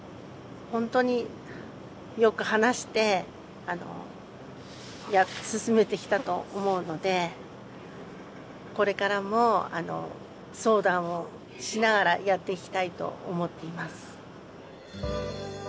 本当によく話して進めてきたと思うのでこれからも相談をしながらやっていきたいと思っています。